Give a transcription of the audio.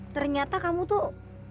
ternyata kamu tuh